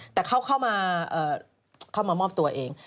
แต่เขาเข้ามามอบตัวเอง